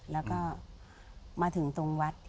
แล้วก็มาถึงตรงวัด